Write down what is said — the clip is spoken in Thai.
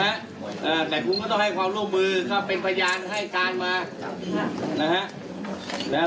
อ่าแต่คุณก็ต้องให้ความร่วมมือถ้าเป็นพยานให้การมานะฮะ